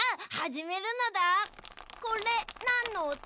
これなんのおと？